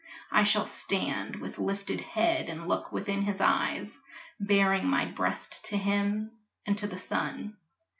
I shall stand With lifted head and look within his eyes, Baring my breast to him and to the sun.